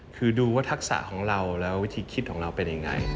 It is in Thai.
คือดูว่าทักษะของเราแล้ววิธีคิดของเราเป็นยังไง